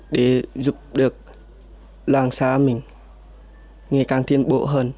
để giúp được làng xá mình ngày càng tiến bộ hơn